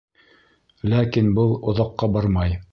Ләкин был оҙаҡҡа бармай.